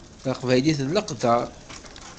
Taqbaylit d leqder.